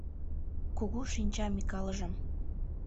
Кугу шинча Микалыжым